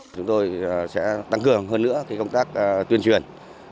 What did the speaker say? chúng tôi sẽ tăng cường hơn nữa công tác tuyên truyền